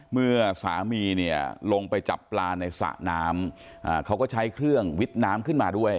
เมื่อสามีเนี่ยลงไปจับปลาในสระน้ำเขาก็ใช้เครื่องวิทย์น้ำขึ้นมาด้วย